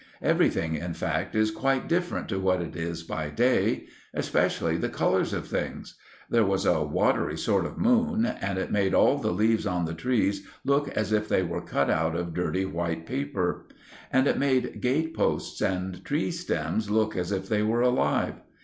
Everything, in fact, is quite different to what it is by day. Especially the colours of things. There was a watery sort of moon, and it made all the leaves on the trees look as if they were cut out of dirty white paper. And it made gate posts and tree stems look as if they were alive.